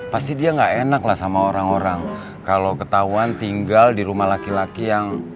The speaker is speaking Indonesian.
pasti dia nggak enak lah sama orang orang kalau ketahuan tinggal di rumah laki laki yang